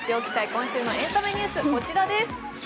今週のエンタメニュース、こちらです。